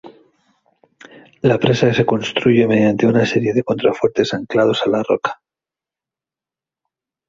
La presa se construye mediante una serie de contrafuertes anclados a la roca.